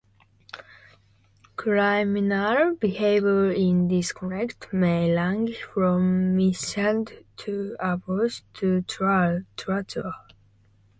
Criminal behavior in this context may range from mishandling to abuse to torture.